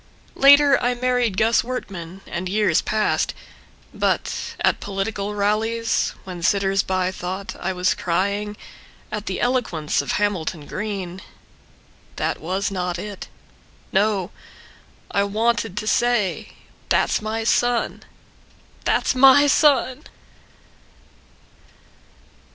Later I married Gus Wertman, and years passed. But—at political rallies when sitters by thought I was crying At the eloquence of Hamilton Greene— That was not it. No! I wanted to say: That's my son! That's my son.